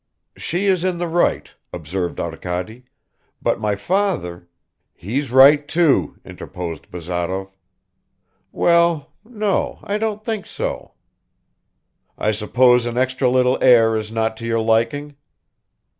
"She is in the right," observed Arkady, "but my father ..." "He's right, too," interposed Bazarov. "Well, no, I don't think so." "I suppose an extra little heir is not to your liking."